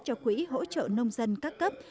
cho quỹ hỗ trợ nông dân các cấp